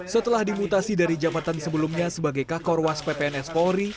setelah dimutasi dari jabatan sebelumnya sebagai kakor was ppns polri